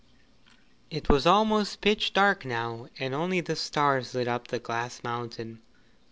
It was almost pitch dark now, and only the stars lit up the Glass Mountain.